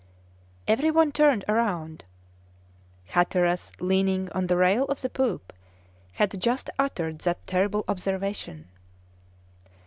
Every one turned round. Hatteras, leaning on the rail of the poop, had just uttered that terrible observation.